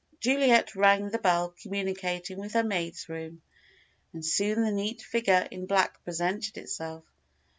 Juliet rang the bell communicating with her maid's room, and soon the neat figure in black presented itself.